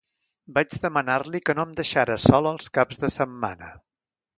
Vaig demanar-li que no em deixara sola els caps de setmana.